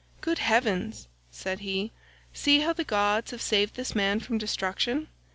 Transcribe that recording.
"Good heavens," said he, "see how the gods have saved this man from destruction.